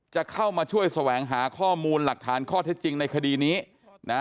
จะเข้ามาช่วยแสวงหาข้อมูลหลักฐานข้อเท็จจริงในคดีนี้นะ